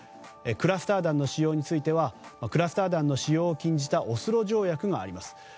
クラスター弾の使用についてはクラスター弾の使用を禁じたオスロ条約があります。